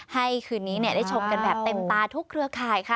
คืนนี้ได้ชมกันแบบเต็มตาทุกเครือข่ายค่ะ